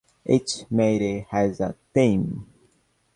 Each Mayday has a theme.